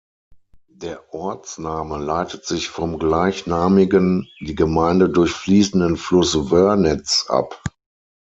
Der Ortsname leitet sich vom gleichnamigen, die Gemeinde durchfließenden Fluss Wörnitz ab.